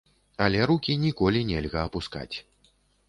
Але рукі ніколі нельга апускаць.